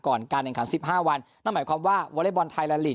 ก่อนการเนินขาดสิบห้าวันนั่นหมายความว่าวอร์เรย์บอลไทยและลีด